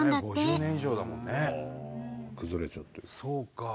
５０年以上だもんね。ああ崩れちゃってる。